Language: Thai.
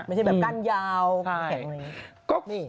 ไม่ใช่แบบกั้นยาวแข็งแบบนี้